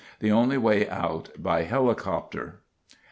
The only way out by helicopter."